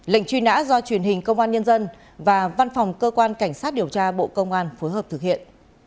lệnh truy nã do truyền hình công an nhân dân và văn phòng cơ quan cảnh sát điều tra bộ công an phối hợp thực hiện